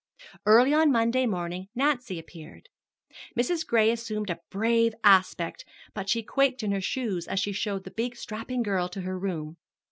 Early on Monday morning Nancy appeared. Mrs. Gray assumed a brave aspect, but she quaked in her shoes as she showed the big strapping girl to her room.